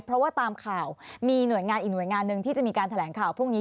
เพราะว่าตามข่าวมีหน่วยงานอีกหน่วยงานหนึ่งที่จะมีการแถลงข่าวพรุ่งนี้